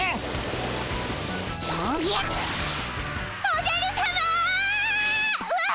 おじゃるさま！わ！